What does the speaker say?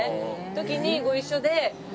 時にご一緒で。